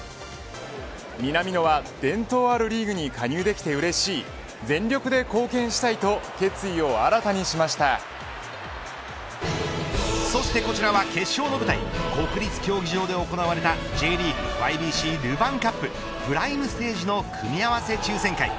南野は伝統あるリーグに加入できてうれしい全力で貢献したいとそしてこちらは決勝の舞台国立競技場で行われたＪリーグＹＢＣルヴァンカッププライムステージの組み合わせ抽選会。